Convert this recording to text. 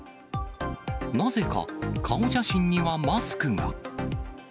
なぜか顔写真にはマスクが。